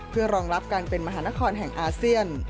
เพื่อรองรับการเป็นมหานครแห่งอาเซียน